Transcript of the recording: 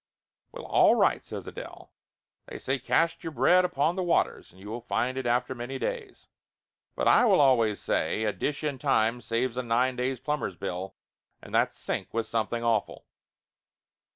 "Well, all right," says Adele. "They say cast your bread upon the waters and you will find it after many days, but I always say a dish in time saves a nine day's plumber's bill; and that sink was something awful."